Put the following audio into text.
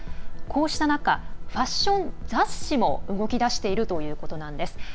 こうした中、ファッション雑誌も動き出しているということなんです。